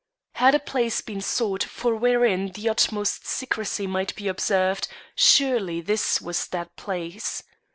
Had a place been sought for wherein the utmost secrecy might be observed, surely this was that place.